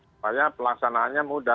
supaya pelaksanaannya mudah